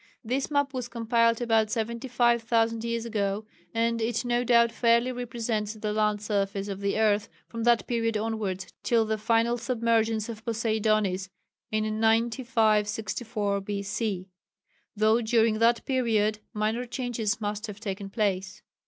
This map was compiled about 75,000 years ago, and it no doubt fairly represents the land surface of the earth from that period onwards till the final submergence of Poseidonis in 9564 B.C., though during that period minor changes must have taken place.